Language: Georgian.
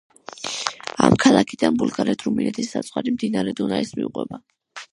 ამ ქალაქიდან ბულგარეთ-რუმინეთის საზღვარი მდინარე დუნაის მიუყვება.